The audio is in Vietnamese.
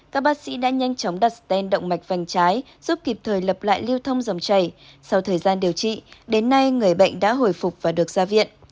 các bác sĩ đã nhanh chóng đặt stent động mạch vành trái giúp kịp thời lập lại lưu thông dòng chảy sau thời gian điều trị đến nay người bệnh đã hồi phục và được ra viện